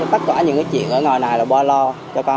tất cả những cái chuyện ở ngoài này là ba lo cho con